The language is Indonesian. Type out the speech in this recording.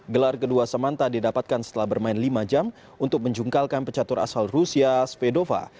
gelar kedua samanta didapatkan setelah bermain lima jam untuk menjungkalkan pecatur asal rusia spedova